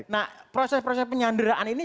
nah proses proses penyanderaan ini